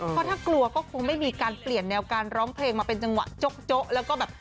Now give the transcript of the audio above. เพราะถ้ากลัวก็คงไม่มีการเปลี่ยนแนวการร้องเพลงมาเป็นจังหวะโจ๊ะแล้วก็แบบ